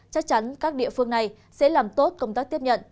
chắc chắn các địa phương này sẽ làm tốt công tác tiếp nhận